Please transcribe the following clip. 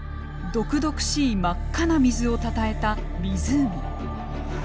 毒々しい真っ赤な水をたたえた湖。